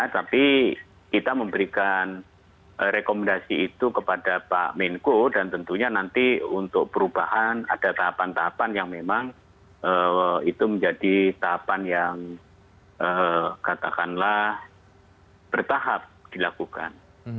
tapi kita memberikan rekomendasi itu kepada pak menko dan tentunya nanti untuk perubahan ada tahapan tahapan yang memang itu menjadi tahapan yang katakanlah bertahap dilakukan